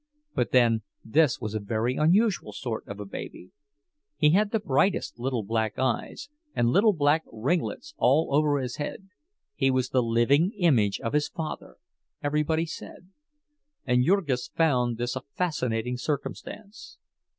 But then, this was a very unusual sort of a baby. He had the brightest little black eyes, and little black ringlets all over his head; he was the living image of his father, everybody said—and Jurgis found this a fascinating circumstance.